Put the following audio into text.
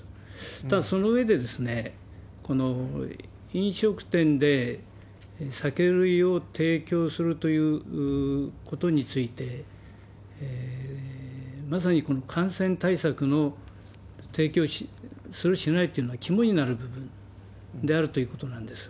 ただ、その上でこの飲食店で酒類を提供するということについて、まさにこの感染対策の提供する、しないっていうのは肝になる部分であろうということなんです。